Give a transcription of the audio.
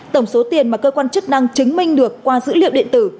tổng số tiền mà cơ quan chức năng chứng minh được qua dữ liệu điện tử